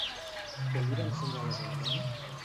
Què li va ensenyar la seva dona?